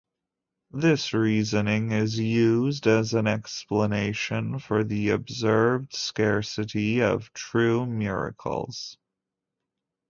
This reasoning is used as an explanation for the observed scarcity of true miracles.